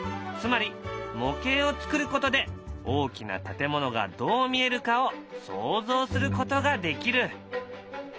つまり模型を作ることで大きな建物がどう見えるかを想像することができる。